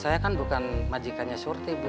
saya kan bukan majikannya surti bu